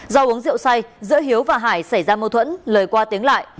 do uống rượu say giữa hiếu và hải xảy ra mâu thuẫn lời qua tiếng lại